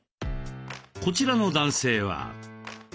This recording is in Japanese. こちらの男性は。